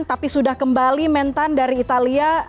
tapi sudah kembali mentan dari italia